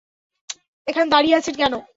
এখানে দাঁড়িয়ে আছেন কেন?